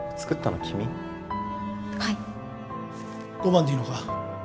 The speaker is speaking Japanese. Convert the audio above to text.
５万でいいのか？